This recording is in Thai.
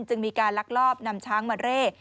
จึงมีการลักลอบนำช้างมาเร่